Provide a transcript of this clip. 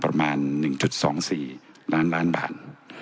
ประมาณ๑๒๔ล้านบาท